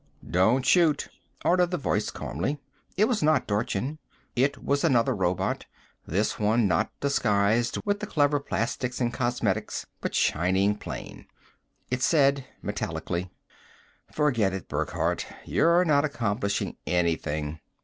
"Don't shoot," ordered the voice calmly. It was not Dorchin; it was another robot, this one not disguised with the clever plastics and cosmetics, but shining plain. It said metallically: "Forget it, Burckhardt. You're not accomplishing anything.